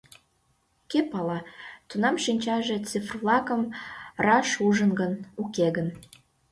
Кӧ пала, тунам шинчаже цифр-влакым раш ужын гын, уке гын.